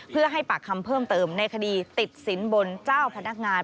เพื่อให้ปากคำเพิ่มเติมในคดีติดสินบนเจ้าพนักงาน